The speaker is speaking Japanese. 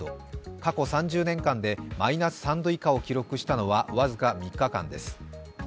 過去３０年間でマイナス３度以下を記録したのは僅か３日間です。